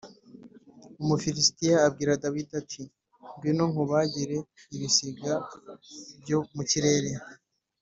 Umufilisitiya abwira Dawidi ati “Ngwino nkubagire ibisiga byo mu kirere